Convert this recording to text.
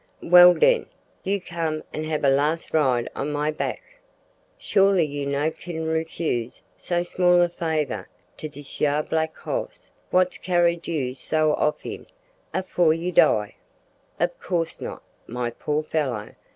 "Well, den, you come an' hab a last ride on my back. Surely you no kin refuse so small a favour to dis yar black hoss w'ats carried you so of in, afore you die!" "Of course not, my poor fellow!